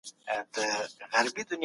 مجاهد د حق ناره په هر لوري کي کښېښووله.